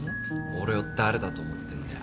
俺を誰だと思ってんだよ